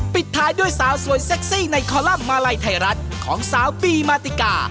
ปิดท้ายด้วยสาวสวยเซ็กซี่ในคอลัมป์มาลัยไทยรัฐของสาวปีมาติกา